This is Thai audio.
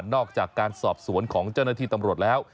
อกจากการสอบสวนของเจ้าหน้าที่ตำรวจแล้ว